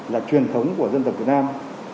là truyền thống của dân tộc việt nam